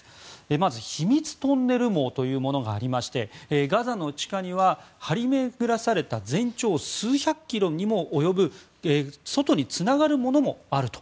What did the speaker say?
まず秘密トンネル網というものがありましてガザの地下には張り巡らされた全長数百キロにも及ぶ外につながるものもあると。